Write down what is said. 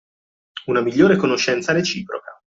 Una migliore conoscenza reciproca